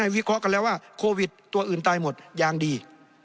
วิเคราะห์กันแล้วว่าโควิดตัวอื่นตายหมดยางดี